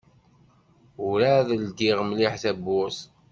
Ur-ɛad ldiɣ mliḥ tawwurt.